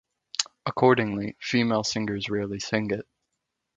Accordingly, female singers rarely sing it.